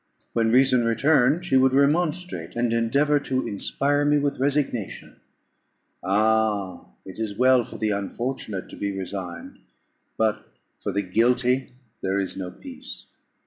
When reason returned, she would remonstrate, and endeavour to inspire me with resignation. Ah! it is well for the unfortunate to be resigned, but for the guilty there is no peace.